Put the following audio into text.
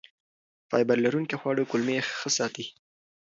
فایبر لرونکي خواړه کولمې ښه ساتي.